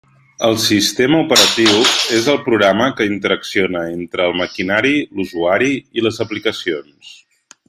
El sistema operatiu és el programa que interacciona entre el maquinari, l'usuari i les aplicacions.